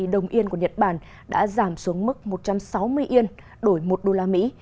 đồng yên của nhật bản đã giảm xuống mức một trăm sáu mươi yên đổi một đô la mỹ